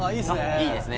いいですね！